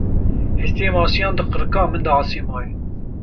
Hestiyê masiyan di qirika min de asê maye.